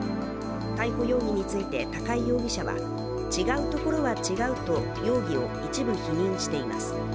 逮捕容疑について高井容疑者は違うところは違うと容疑を一部否認しています。